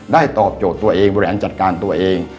ได้ตอบโจทย์ตัวเองแหละจัดการตัวเอง